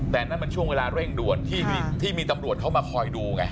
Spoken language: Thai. แต่นั่นมันช่วงเวลาเร่งด่วนที่มีตำรวจเขามาคอยดูไง